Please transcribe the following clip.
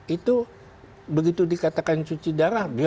itu begitu dikatakan cuci darah